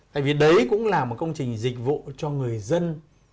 tại vì đấy cũng là một công trình dịch vụ cho người dân